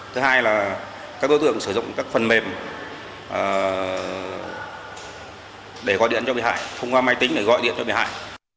thứ hai là các đối tượng sử dụng các phần mềm để gọi điện cho bị hại thông qua máy tính để gọi điện cho bị hại